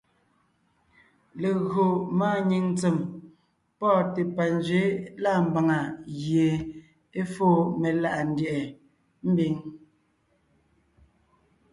Légÿo máanyìŋ ntsèm pɔ́ɔnte panzwɛ̌ lâ mbàŋa gie é fóo meláʼa ndyɛ̀ʼɛ mbiŋ.